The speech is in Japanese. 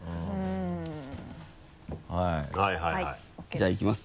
じゃあいきます。